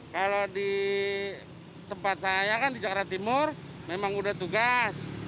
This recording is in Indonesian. kalau di tempat saya kan di jakarta timur memang udah tugas